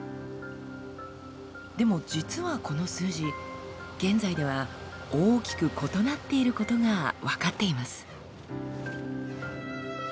でも実はこの数字現在では大きく異なっていることが分かっています。